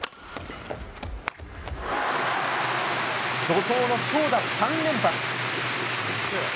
怒とうの強打３連発。